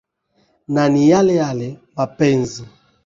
Na ni yale yale mapenzi